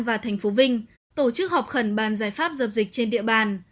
và tp vinh tổ chức họp khẩn bàn giải pháp dập dịch trên địa bàn